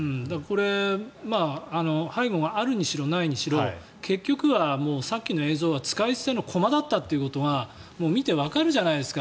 これ、背後があるにしろないにしろ結局はさっきの映像は使い捨ての駒だったということが見てわかるじゃないですか。